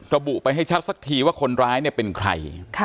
ระบุไปให้ชัดสักทีว่าคนร้ายเป็นใคร